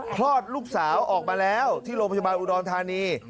คลอดลูกสาวออกมาแล้วที่โรงพยาบาลอุดรธานี